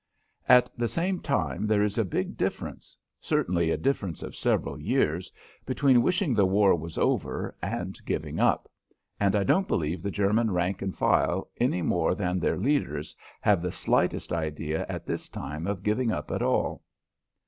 At the same time, there is a big difference certainly a difference of several years between wishing the war was over and giving up, and I don't believe the German rank and file any more than their leaders have the slightest idea at this time of giving up at all.